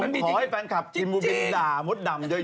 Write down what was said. ผมขอให้ฟังคลับที่มุมมิด่าหมดดำเยอะ